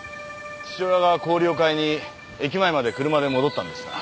父親が氷を買いに駅前まで車で戻ったんですな。